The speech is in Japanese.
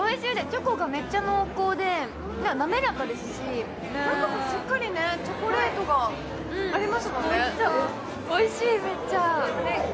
チョコがめっちゃ濃厚で滑らかですし中もしっかりチョコレートがありますもんね